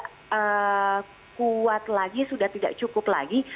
sudah kuat lagi sudah tidak cukup lagi